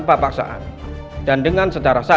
pak riki sudah mengakui bahwa